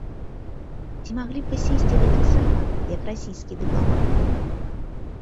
Ці змаглі б вы сесці гэтак сама, як расійскі дыпламат?